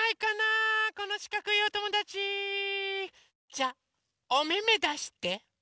じゃおめめだして。